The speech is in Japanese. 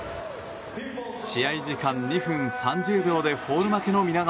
試合時間２分３０秒でフォール負けの皆川。